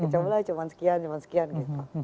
coba lah cuman sekian cuman sekian gitu